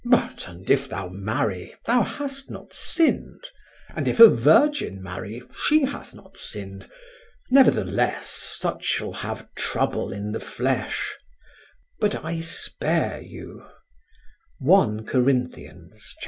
But and if thou marry, thou hast not sinned; and if a virgin marry, she hath not sinned. Nevertheless such shall have trouble in the flesh: but I spare you" (I Cor.